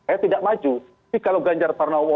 eh tidak maju tapi kalau ganjar pranowo